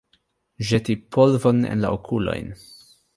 Ĵeti polvon en la okulojn.